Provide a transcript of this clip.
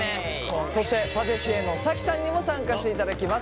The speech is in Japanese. そしてパティシエのＳａｋｉさんにも参加していただきます。